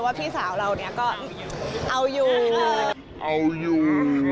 ว่าพี่สาวเรานี่ก็เอาอยู่